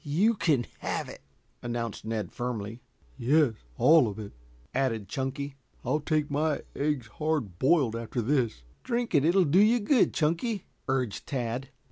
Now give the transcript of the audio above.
"You can have it," announced Ned firmly. "Yes, all of it," added Chunky. "I'll take my eggs hard boiled after this." "Drink it. It will do you good, Chunky," urged Tad.